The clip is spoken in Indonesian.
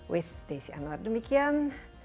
with desi anwar demikian